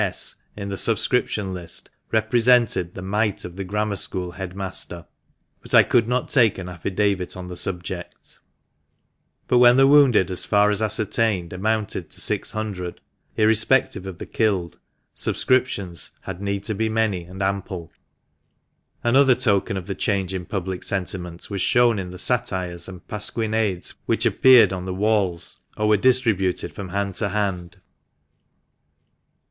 S." in the subscription list represented the mite of the Grammar School head master, but I could not take an affidavit on the subject. But when the wounded, as far as ascertained, amounted to six hundred, irrespective of the killed, subscriptions had need to be many and ample. Another token of the change in public sentiment was shown in the satires and pasquinades which appeared on the walls, or were distributed from hand to hand.